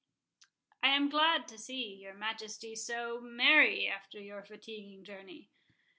"I am glad to see your Majesty so—merry after your fatiguing journey."